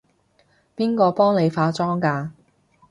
邊個幫你化妝㗎？